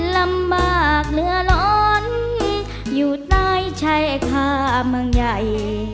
ลำบากเหลือร้อนอยู่ใต้ชายคาเมืองใหญ่